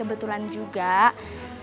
saya sudah pan ufc